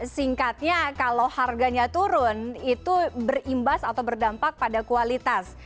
singkatnya kalau harganya turun itu berimbas atau berdampak pada kualitas